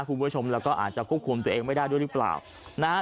คุณผู้ชมแล้วก็อาจจะควบคุมตัวเองไม่ได้ด้วยหรือเปล่านะฮะ